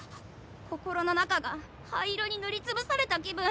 心の中が灰色にぬりつぶされた気分！